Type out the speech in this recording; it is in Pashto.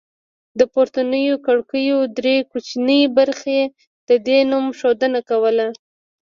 د پورتنیو کړکیو درې کوچنۍ برخې د دې نوم ښودنه کوله